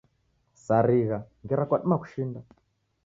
Sarigha, ngera kwadima kushinda